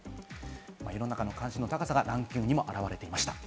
世の中の関心の高さがランキングにも表れていました。